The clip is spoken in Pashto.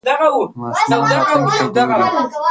ماشومان راتلونکې ته ګوري.